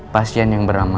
pasien yang beramal